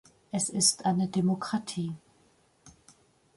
Es ist eine Demokratie.